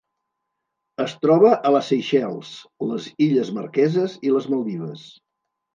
Es troba a les Seychelles, les Illes Marqueses i les Maldives.